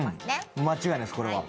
間違いないです、これは。